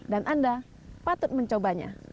dan anda patut mencobanya